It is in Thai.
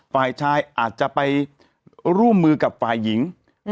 ฝ่ายชายอาจจะไปร่วมมือกับฝ่ายหญิง